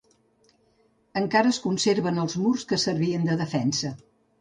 Encara es conserven els murs que servien de defensa.